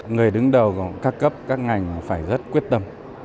người đứng đầu các cấp các ngành phải rất quyết tâm